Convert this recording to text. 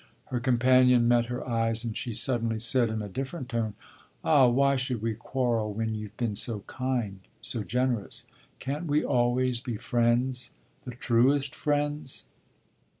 Her companion met her eyes and she suddenly said in a different tone: "Ah why should we quarrel when you've been so kind, so generous? Can't we always be friends the truest friends?"